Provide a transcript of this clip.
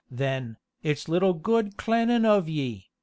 then, it's little good claning of ye!"